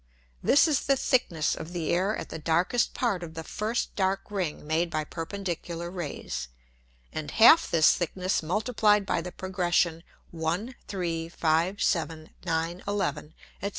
This is the Thickness of the Air at the darkest Part of the first dark Ring made by perpendicular Rays; and half this Thickness multiplied by the Progression, 1, 3, 5, 7, 9, 11, &c.